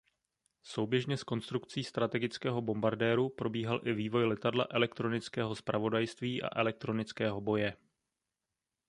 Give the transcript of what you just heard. Souběžně s konstrukcí strategického bombardéru probíhal i vývoj letadla elektronického zpravodajství a elektronického boje.